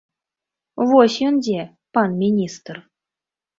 Вось ён дзе, пан міністр.